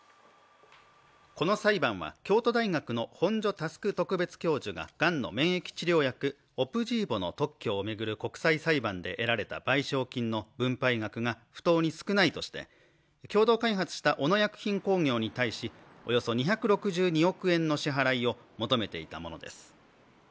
この裁判は京都大学の本庶佑特別教授ががんの免疫治療薬オプジーボの特許を巡る国際裁判で得られた賠償金の分配額が不当に少ないとして共同開発した小野薬品工業に対しおよそ２６２億円の支払いを求めていたものです。